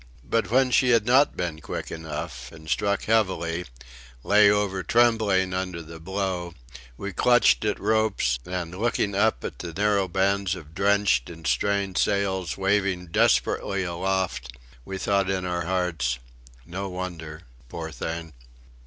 But when she had not been quick enough and, struck heavily, lay over trembling under the blow, we clutched at ropes, and looking up at the narrow bands of drenched and strained sails waving desperately aloft, we thought in our hearts: "No wonder. Poor thing!"